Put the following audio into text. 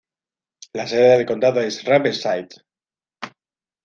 La sede del condado es Riverside.